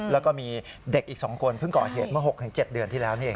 แล้วก็มีเด็กอีก๒คนเพิ่งก่อเหตุเมื่อ๖๗เดือนที่แล้วนี่เอง